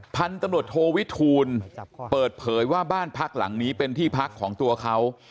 พันธุ์ตำรวจโทวิทูลเปิดเผยว่าบ้านพักหลังนี้เป็นที่พักของตัวเขา